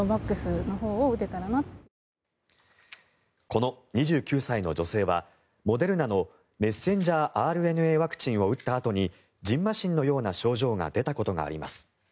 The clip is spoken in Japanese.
この２９歳の女性はモデルナのメッセンジャーＲＮＡワクチンを打ったあとにじんましんのような症状が出たことがあります。